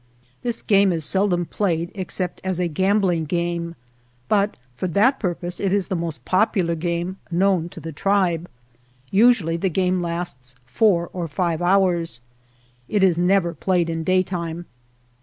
This game is seldom played except as a gambling game, but for that purpose it is the most popular game known to the tribe. Usually the game lasts four or five hours. It is never played in daytime.